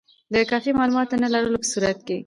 د کافي معلوماتو نه لرلو په صورت کې.